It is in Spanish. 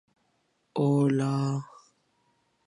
La Secretaría General depende directamente de la Dirección.